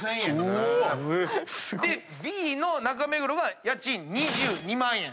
お！でＢの中目黒は家賃２２万円。